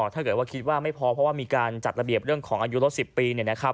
ถ้าเกิดว่าคิดว่าไม่พอเพราะว่ามีการจัดระเบียบเรื่องของอายุลด๑๐ปี